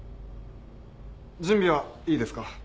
準備はいいですか？